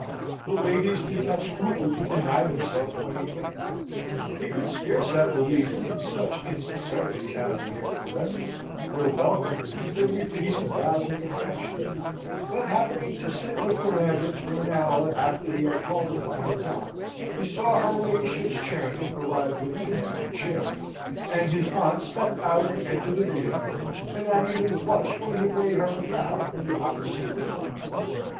The ladies did not scruple to deny themselves when he came; he could scarce have believed in such insincerity after their caresses, their welcome, their repeated vows of affection; but happening to sit with the Lamberts for an hour after he had called upon his aunt, he saw her ladyship's chairmen arrive with an empty chair, and his aunt step out and enter the vehicle, and not even blush when he made her a bow from the opposite window.